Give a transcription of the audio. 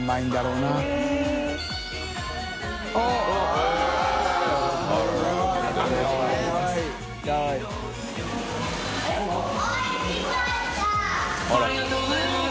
ありがとうございます。